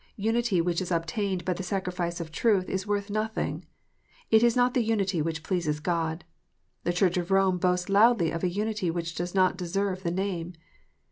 Unity which is obtained by the sacrifice of truth is worth nothing. It is not the unity which pleases God. The Church of Rome boasts loudly of a unity which does not deserve the name.